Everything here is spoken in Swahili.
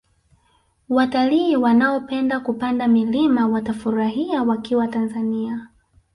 watalii wanaopenda kupanda milima watafurahia wakiwa tanzania